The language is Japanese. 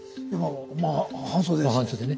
まあ半袖ですね。